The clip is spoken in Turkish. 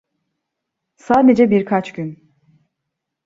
Sadece birkaç gün.